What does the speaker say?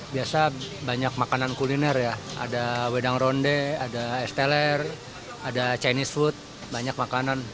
biasa banyak makanan kuliner ya ada wedang ronde ada es teler ada chinese food banyak makanan